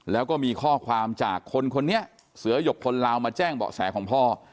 แล้วก็มีข้อความจากคนคนนี้เสือหยกคนลาวมาแจ้งเบาะแสของพ่อ